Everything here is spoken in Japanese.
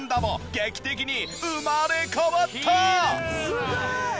すごい！